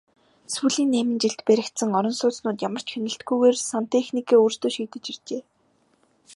Сүүлийн найман жилд баригдсан орон сууцнууд ямар ч хяналтгүйгээр сантехникээ өөрсдөө шийдэж иржээ.